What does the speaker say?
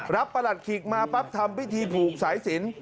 ประหลัดขิกมาปั๊บทำพิธีผูกสายสิน